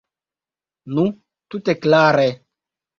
Nu, tute klare.